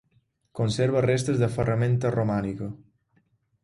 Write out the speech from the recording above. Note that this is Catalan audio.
Conserva restes de ferramenta romànica.